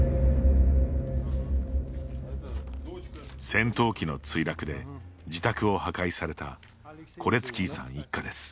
戦闘機の墜落で自宅を破壊されたコレツキーさん一家です。